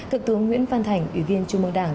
cực thương nguyễn văn thành ủy viên trung mương đảng